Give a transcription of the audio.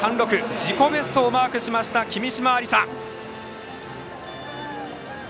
自己ベストをマークしました君嶋愛梨沙。